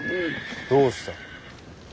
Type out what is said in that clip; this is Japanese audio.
どうした。